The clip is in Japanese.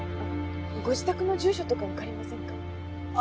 ご自宅の住所とかわかりませんか？